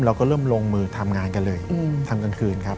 เราก็เริ่มลงมือทำงานกันเลยทำกลางคืนครับ